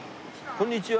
こんにちは。